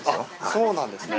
そうなんですね。